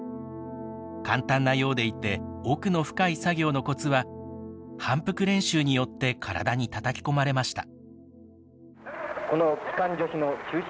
簡単なようでいて奥の深い作業のコツは反復練習によって体にたたき込まれました。